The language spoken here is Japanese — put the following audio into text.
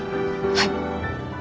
はい。